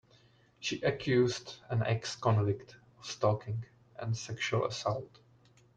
She accused an ex-convict of stalking and sexual assault.